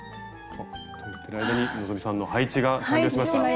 あっと言ってる間に希さんの配置が完了しました。